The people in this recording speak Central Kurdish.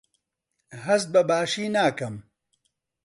هەست بەباشی ناکەم.